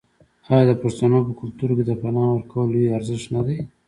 آیا د پښتنو په کلتور کې د پنا ورکول لوی ارزښت نه دی؟